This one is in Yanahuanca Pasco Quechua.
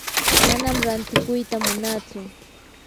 manam rantikuyta munatsu.